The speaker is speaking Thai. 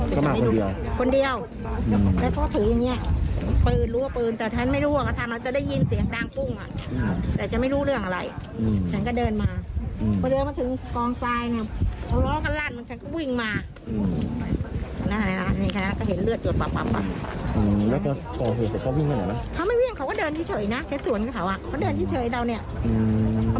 เขาไม่วิ่งมาอย่างไรเขาก็เดินไปนี่เถอะออกไปเถอะ